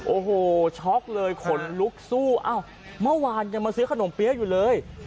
โอ้โหช็อกเลยขนลุกสู้อ้าวเมื่อวานยังมาซื้อขนมเปี๊ยะอยู่เลย